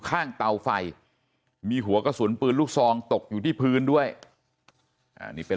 เตาไฟมีหัวกระสุนปืนลูกซองตกอยู่ที่พื้นด้วยนี่เป็น